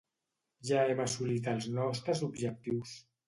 Ja hem assolit els nostres objectius.